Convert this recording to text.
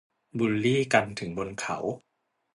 บุลลี่กันถึงบนเขา